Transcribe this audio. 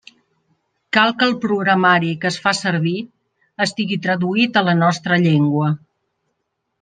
Cal que el programari que es fa servir estigui traduït a la nostra llengua.